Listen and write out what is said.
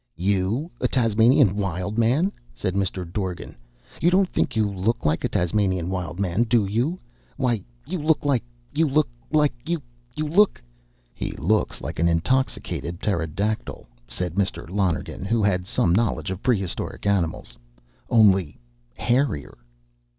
"You a Tasmanian Wild Man?" said Mr. Dorgan. "You don't think you look like a Tasmanian Wild Man, do you? Why, you look like you look like you look " "He looks like an intoxicated pterodactyl," said Mr. Lonergan, who had some knowledge of prehistoric animals, "only hairier."